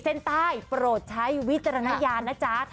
เอาอีกทีเอาอีกทีเอาอีกที